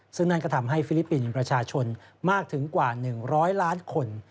ซึ่งนั่นก็ทำให้ฟิลิปปินส์ประชาชนมากถึงกว่า๑๐๐ล้านคน